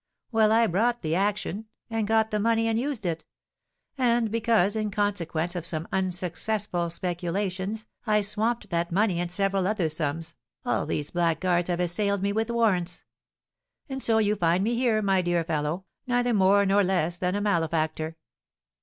Well, I brought the action, and got the money and used it; and because, in consequence of some unsuccessful speculations, I swamped that money and several other sums, all these blackguards have assailed me with warrants; and so you find me here, my dear fellow, neither more nor less than a malefactor."